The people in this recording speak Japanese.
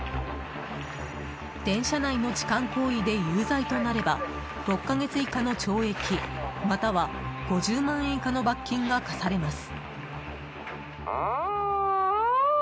電車内の痴漢行為で有罪となれば６か月以下の懲役または５０万円以下の罰金が科されます。